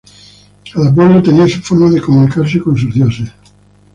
Cada pueblo tenía su forma de comunicarse con sus dioses.